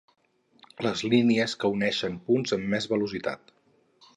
Les línies que uneixen punts amb més velocitat.